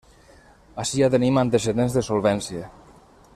Ací ja tenim antecedents de solvència.